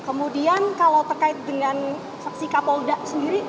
kemudian kalau terkait dengan saksi kapolda sendiri